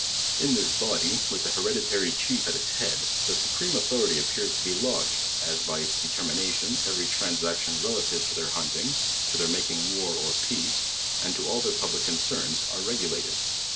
In this body, with the hereditary chief at its head, the su* preme authority appears to be lodged; as by its determina tion every transaction relative to their hunting to their ma king war or peace, and to all their pub ] ic concerns, are regu lated.